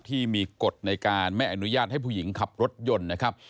ที่มีกฎในการไม่อนุญาตให้ผู้หญิงขับรถยนต์นะครับ